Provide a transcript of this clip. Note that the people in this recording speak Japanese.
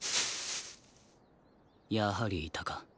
やはりいたか。